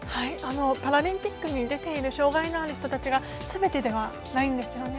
パラリンピックに出ている障がいのある人たちがすべてではないんですよね。